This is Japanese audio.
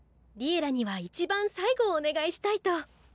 「Ｌｉｅｌｌａ！」には一番最後をお願いしたいと。